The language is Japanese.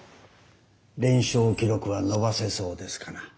連勝記録は伸ばせそうですかな？